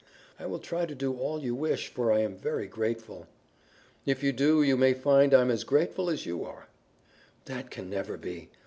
"I will try to do all you wish for I am very grateful." "If you do, you may find I'm as grateful as you are." "That can never be.